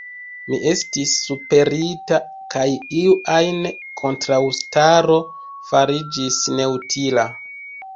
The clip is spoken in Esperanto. Mi estis superita, kaj iu ajn kontraŭstaro fariĝis neutila.